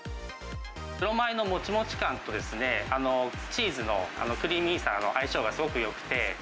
黒米のもちもち感と、チーズのクリーミーさの相性がすごくよ